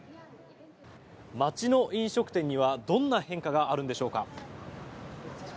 街の飲食店にはどんな変化があるんでしょうか。